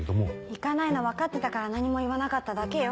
行かないの分かってたから何も言わなかっただけよ。